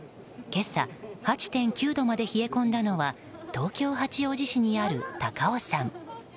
今朝８．９度まで冷え込んだのは東京・八王子市にある高尾山。